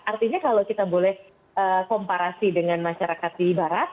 artinya kalau kita boleh komparasi dengan masyarakat di barat